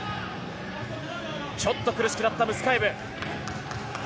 ちょっと苦しくなったムスカエブ。